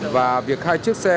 và việc hai chiếc xe